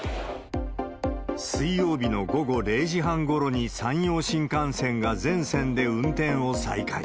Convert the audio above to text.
水曜日の午後０時半ごろに山陽新幹線が全線で運転を再開。